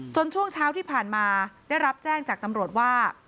ช่วงเช้าที่ผ่านมาได้รับแจ้งจากตำรวจว่า